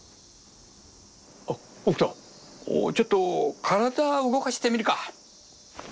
あっ北斗ちょっと体動かしてみるか。